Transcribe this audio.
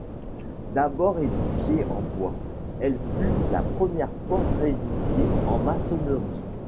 D'abord édifiée en bois, elle fut la première porte réédifiée en maçonnerie.